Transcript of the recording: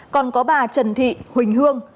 còn có bà trần thị huỳnh hương